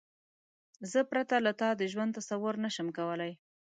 زه پرته له تا د ژوند تصور نشم کولای.